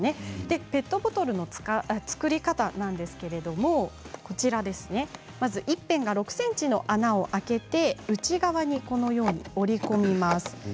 ペットボトルの作り方なんですけれどもまず１辺が６ｃｍの穴を開けて内側に折り込みます。